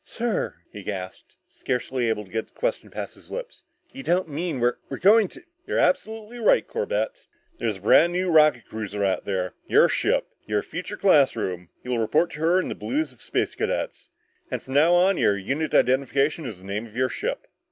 "Sir," he gasped, scarcely able to get the question past his lips, "you don't mean we're we're going to " "You're absolutely right, Corbett. There's a brand new rocket cruiser out there. Your ship. Your future classroom. You'll report to her in the blues of the Space Cadets! And from now on your unit identification is the name of your ship!